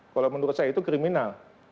kalau menurut saya itu kriminal